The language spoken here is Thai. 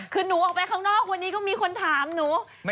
คือหนูออกไปข้างนอกวันนี้ก็มีคนถามหนู